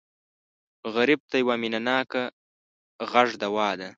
غریب ته یو مینهناک غږ دوا ده